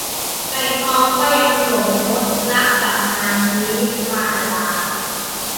ไกรทองก็ยังหลงรสรักกับนางวิมาลา